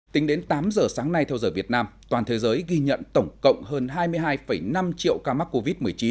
tính đến tám giờ sáng nay theo giờ việt nam toàn thế giới ghi nhận tổng cộng hơn hai mươi hai năm triệu ca mắc covid một mươi chín